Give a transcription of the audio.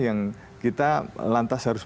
yang kita lantas harus